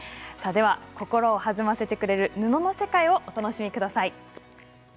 心を弾ませてくれる布の世界をお楽しみください。